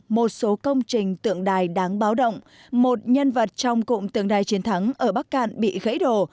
một số công trình tượng đài đáng báo động một nhân vật trong cụm tượng đài chiến thắng ở bắc cạn bị gãy đổ